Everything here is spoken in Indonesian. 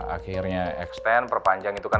akhirnya extend perpanjang itu kan